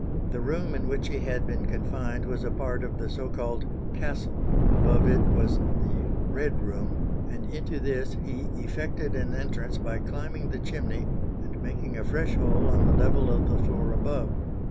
The room in which he had been confined was a part of the so called "castle;" above it was the "Red room," and into this he effected an entrance by climbing the chimney and making a fresh hole on the level of the floor above.